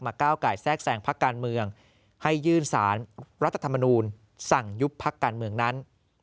ก้าวไก่แทรกแสงพักการเมืองให้ยื่นสารรัฐธรรมนูลสั่งยุบพักการเมืองนั้น